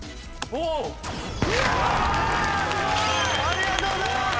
ありがとうございます。